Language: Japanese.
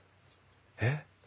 えっ？